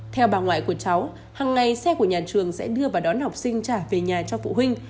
theo bà ngoại của cháu hằng ngày xe của nhà trường sẽ đưa và đón học sinh trả về nhà cho phụ huynh